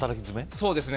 そうですね